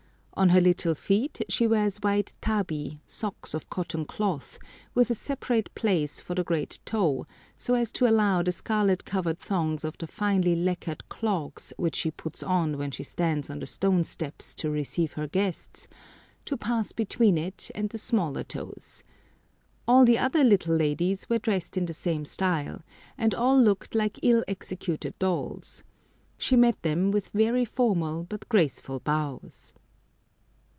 On her little feet she wears white tabi, socks of cotton cloth, with a separate place for the great toe, so as to allow the scarlet covered thongs of the finely lacquered clogs, which she puts on when she stands on the stone steps to receive her guests, to pass between it and the smaller toes. All the other little ladies were dressed in the same style, and all looked like ill executed dolls. She met them with very formal but graceful bows.